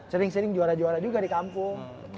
sering sering juara juara juga di kampung